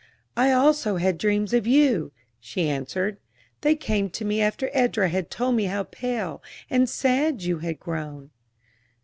"I also had dreams of you," she answered. "They came to me after Edra had told me how pale and sad you had grown."